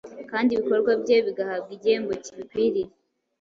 kandi ibikorwa bye bigahabwa igihembo kibikwiriye.